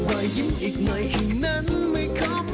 สัญญาณไหมครับ